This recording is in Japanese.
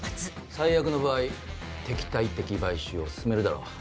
最悪の場合敵対的買収を進めるだろう。